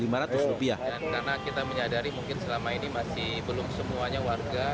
karena kita menyadari mungkin selama ini masih belum semuanya warga